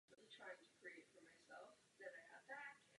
Jméno je odvozeno od svatého Jiří.